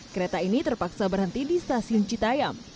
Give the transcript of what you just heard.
kereta ini terpaksa berhenti di stasiun citayam